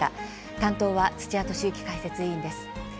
担当は土屋敏之解説委員です。